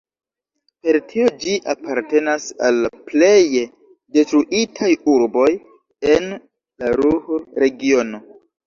Per tio ĝi apartenas al la pleje detruitaj urboj en la Ruhr-Regiono.